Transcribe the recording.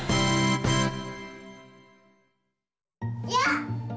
いや！